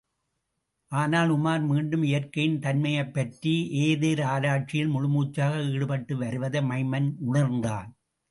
ஆனால், உமார் மீண்டும் இயற்கையின் தன்மையைப்பற்றி ஏதேர் ஆராய்ச்சியில் முழுமூச்சாக ஈடுபட்டு வருவதை மைமன் உணர்ந்தான்.